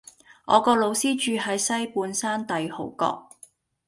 我個老師住喺西半山帝豪閣